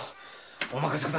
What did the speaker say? お任せください